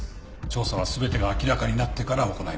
調査は全てが明らかになってから行います。